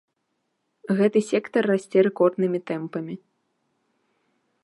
Гэты сектар расце рэкорднымі тэмпамі.